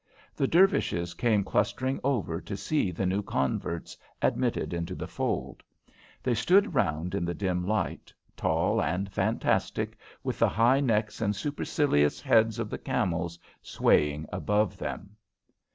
The Dervishes came clustering over to see the new converts admitted into the fold. They stood round in the dim light, tall and fantastic, with the high necks and supercilious heads of the camels swaying above them.